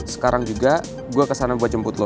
sekarang juga gue kesana buat jemput lo